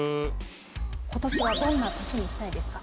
今年はどんな年にしたいですか？